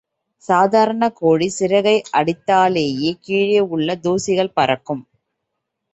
சாதாரணமான கோழி சிறகை அடித்தாலேயே கீழே உள்ள தூசிகள் பறக்கும்.